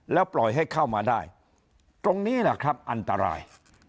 แล้วปล่อยให้เข้ามาได้ตรงนี้แหละครับอันตราย